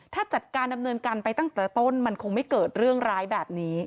ถ้าจัดการดำเนินการไปตั้งแต่ต้นมันคงไม่เกิดเรื่องร้ายแบบนี้